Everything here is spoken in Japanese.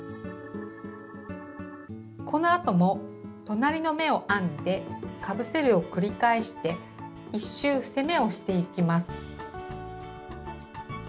このあとも隣の目を編んでかぶせるを繰り返して１周伏せ目をしていきます。